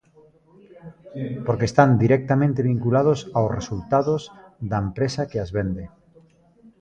Porque están directamente vinculados aos resultados da empresa que as vende.